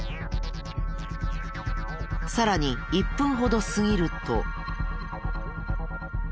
さらに１分ほど過ぎると。